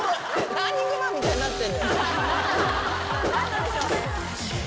ランニングマンみたいになってんのよ。